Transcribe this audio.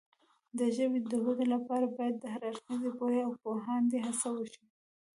د ژبې د وده لپاره باید د هر اړخیزې پوهې او پوهاندۍ هڅه وشي.